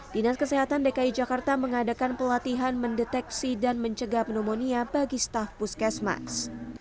dinas kesehatan dki jakarta mengadakan pelatihan mendeteksi dan mencegah pneumonia bagi staff puskesmas